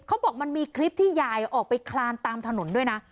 เขาบอกมันมีคลิปที่ยายออกไปคลานตามถนนด้วยนะ